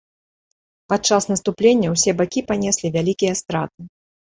Падчас наступлення ўсе бакі панеслі вялікія страты.